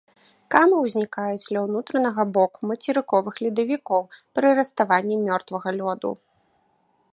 Камы ўзнікаюць ля ўнутранага боку мацерыковых ледавікоў пры раставанні мёртвага лёду.